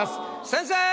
先生！